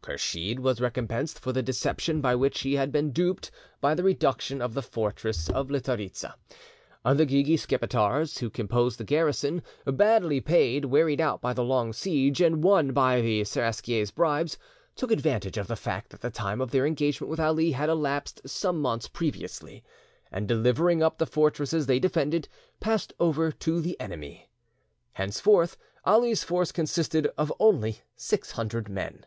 Kursheed was recompensed for the deception by which he had been duped by the reduction of the fortress of Litharitza. The Guegue Skipetars, who composed the garrison, badly paid, wearied out by the long siege, and won by the Seraskier's bribes, took advantage of the fact that the time of their engagement with Ali had elapsed same months previously, and delivering up the fortress they defended, passed over to the enemy. Henceforth Ali's force consisted of only six hundred men.